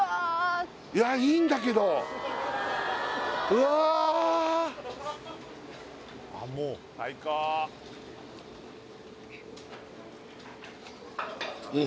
いやいいんだけどうわっうん